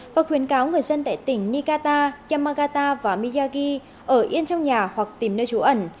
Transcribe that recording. và khuyến cáo người dân tại tỉnh niicata yamagata và miyagi ở yên trong nhà hoặc tìm nơi trú ẩn